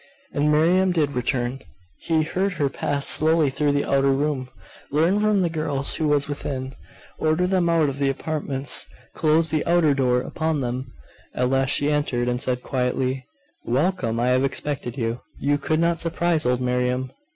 And Miriam did return. He heard her pass slowly through the outer room, learn from the girls who was within, order them out of the apartments, close the outer door upon them; at last she entered, and said quietly 'Welcome! I have expected you. You could not surprise old Miriam.